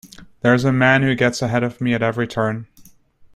There's a man who gets ahead of me at every turn.